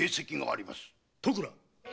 戸倉！